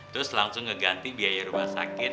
terus langsung ngeganti biaya rumah sakit